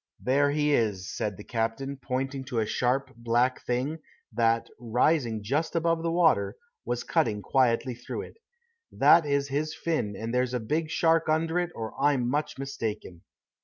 "There he is," said the captain, pointing to a sharp, black thing, that, rising just above the water, was cutting quietly through it. "That is his fin, and there's a big shark under it or I'm much mistaken."